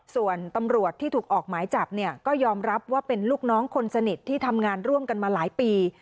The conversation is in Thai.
ส่วนตำรวจที่ถูกออกหมายจับเนี่ยก็ยอมรับว่าเป็นลูกน้องคนสนิทที่ทำงานร่วมกันมาหลายปี